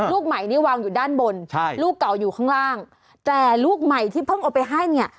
ลูกใหม่นี่วางอยู่ด้านบนใช่ลูกเก่าอยู่ข้างล่างแต่ลูกใหม่ที่เพิ่งเอาไปให้เนี่ย